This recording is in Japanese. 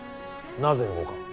なぜ動かん。